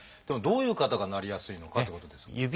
どういう方がなりやすいのかってことですが。